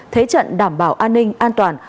thế trận đảm bảo an ninh an toàn